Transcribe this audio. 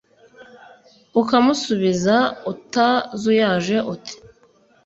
Ukamusubiza utazuyaje uti